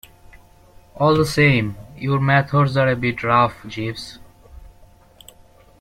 All the same, your methods are a bit rough, Jeeves.